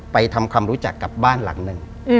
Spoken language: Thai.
ทำความรู้จักกับบ้านหลังหนึ่ง